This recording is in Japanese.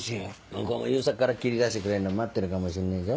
向こうも悠作から切り出してくれるのを待ってるかもしんねえぞ？